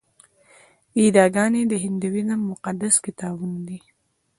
ویداګانې د هندویزم مقدس کتابونه دي.